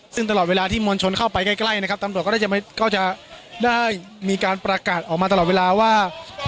ซึ่งตลอดเวลาที่มวลชนเข้าไปใกล้นะครับตำรวจก็จะได้มีการประกาศออกมาตลอดเวลาว่า